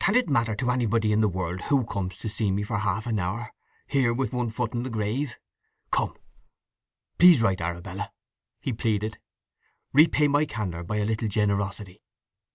Can it matter to anybody in the world who comes to see me for half an hour—here with one foot in the grave! … Come, please write, Arabella!" he pleaded. "Repay my candour by a little generosity!"